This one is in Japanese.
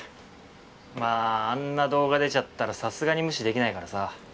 まああんな動画出ちゃったらさすがに無視できないからさ。